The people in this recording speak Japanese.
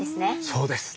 そうです。